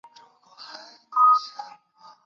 不料太宗突然暴毙。